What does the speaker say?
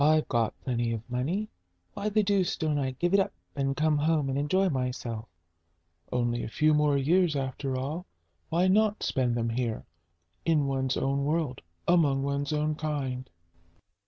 "I've got plenty of money; why the deuce don't I give it up, and come home and enjoy myself? Only a few more years, after all; why not spend them here, in one's own world, among one's own kind?"